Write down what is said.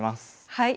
はい。